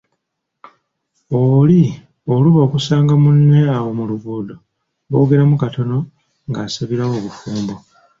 "Oli oluba okusanga munne awo mu luguudo, boogeramu katono nga asabirawo obufumbo."